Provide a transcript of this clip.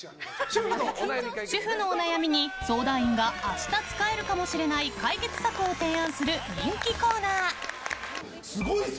主婦のお悩みに相談員が明日使えるかもしれない解決策を提案する、人気コーナー。